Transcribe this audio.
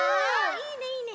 いいねいいね！